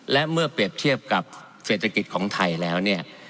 และเมื่อเปรียบเทียบกับเศรษฐกิจของไทยแล้วเนี่ย